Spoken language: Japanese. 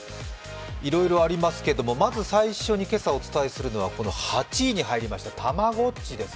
いろいろありますけれどもまず最初に今朝お伝えしますのはこの８位に入りました、たまごっちです。